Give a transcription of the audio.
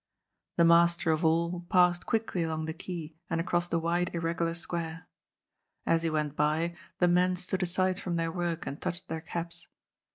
The master of all passed quickly along the quay and across the wide irregular square. As he went by, the men stood aside from their work and touched their caps.